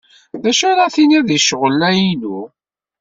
D acu ara tiniḍ di ccɣel-a-inu?